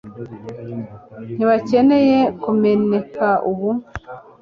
ntibakeneye kumeneka ubu